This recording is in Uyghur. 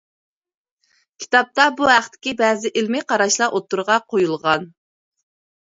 كىتابتا بۇ ھەقتىكى بەزى ئىلمىي قاراشلار ئوتتۇرىغا قويۇلغان.